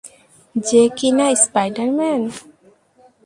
যে কি না স্পাইডার-ম্যান?